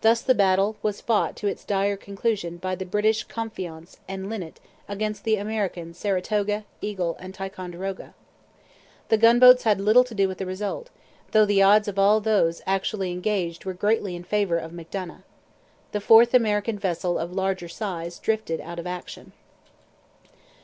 Thus the battle was fought to its dire conclusion by the British Confiance and Linnet against the American Saratoga, Eagle, and Ticonderoga. The gunboats had little to do with the result; though the odds of all those actually engaged were greatly in favour of Macdonough. The fourth American vessel of larger size drifted out of action.